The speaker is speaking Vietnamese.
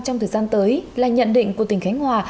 trong thời gian tới là nhận định của tỉnh khánh hòa